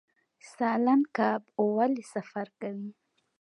سالمن کب ولې سفر کوي؟